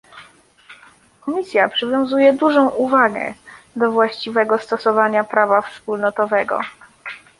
Komisja przywiązuje dużą uwagę do właściwego stosowania prawa wspólnotowego